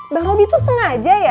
bang robi tuh sengaja ya